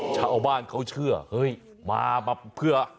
เจ้าบ้านเขาเชื่อว่ามาเข้ามาแน่